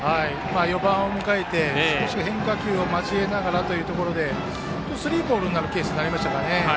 ４番を迎えて変化球を交えながらということでスリーボールになるケースになりましたからね。